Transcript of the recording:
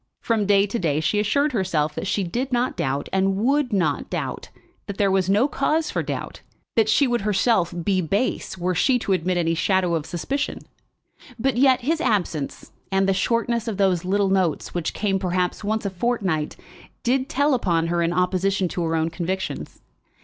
From day to day she assured herself that she did not doubt and would not doubt, that there was no cause for doubt; that she would herself be base were she to admit any shadow of suspicion. But yet his absence, and the shortness of those little notes, which came perhaps once a fortnight, did tell upon her in opposition to her own convictions.